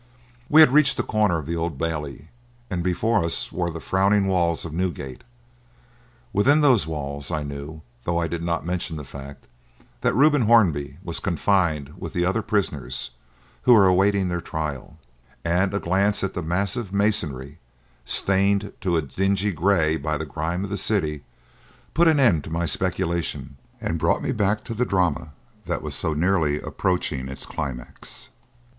We had reached the corner of the Old Bailey, and before us were the frowning walls of Newgate. Within those walls, I knew though I did not mention the fact that Reuben Hornby was confined with the other prisoners who were awaiting their trial; and a glance at the massive masonry, stained to a dingy grey by the grime of the city, put an end to my speculations and brought me back to the drama that was so nearly approaching its climax.